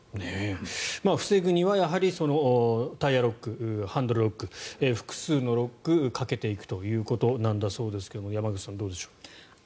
防ぐにはタイヤロックハンドルロック複数のロックをかけていくということなんだそうですが山口さん、どうでしょう。